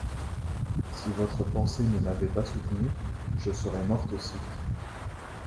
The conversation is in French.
Si votre pensée ne m’avait pas soutenue, je serais morte aussi.